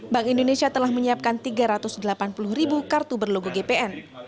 bank indonesia telah menyiapkan tiga ratus delapan puluh ribu kartu berlogo gpn